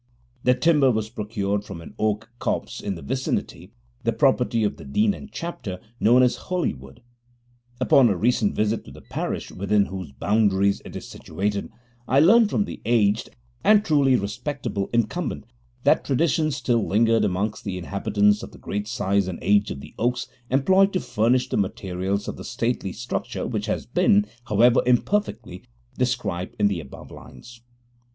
The timber was procured from an oak copse in the vicinity, the property of the Dean and Chapter, known as Holywood. Upon a recent visit to the parish within whose boundaries it is situated, I learned from the aged and truly respectable incumbent that traditions still lingered amongst the inhabitants of the great size and age of the oaks employed to furnish the materials of the stately structure which has been, however imperfectly, described in the above lines.